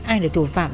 ai là thủ phạm